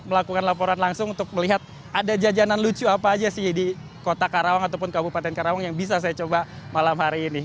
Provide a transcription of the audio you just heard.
melakukan laporan langsung untuk melihat ada jajanan lucu apa aja sih di kota karawang ataupun kabupaten karawang yang bisa saya coba malam hari ini